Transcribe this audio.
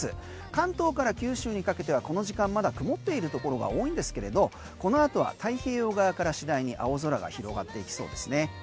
関東から九州にかけてはこの時間まだ曇っているところが多いんですがこの後は太平洋側から次第に青空が広がっていきそうですね。